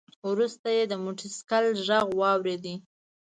وروسته يې د موټر سايکل غږ واورېد.